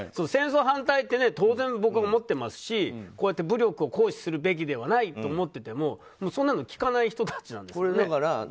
戦争反対って、当然僕、思ってますしこうやって武力を行使すべきではないと思っててもそんなの効かない人たちなんですかね。